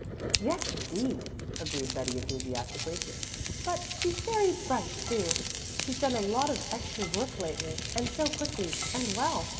"Yes, indeed," agreed Betty enthusiastically. "But she's very bright too. She's done a lot of extra work lately and so quickly and well.